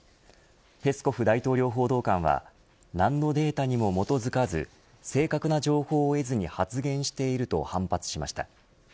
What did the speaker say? ペスコフ大統領報道官は何のデータにも基づかず正確な情報を得ずに発言していると反発しました。